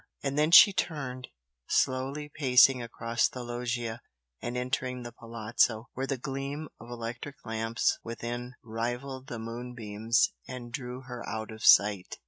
And then she turned, slowly pacing across the loggia and entering the Palazzo, where the gleam of electric lamps within rivalled the moonbeams and drew her out of sight.